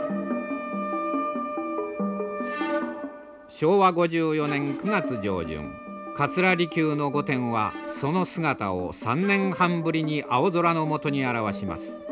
昭和５４年９月上旬桂離宮の御殿はその姿を３年半ぶりに青空の下にあらわします。